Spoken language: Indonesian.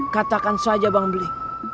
katakan saja bang beli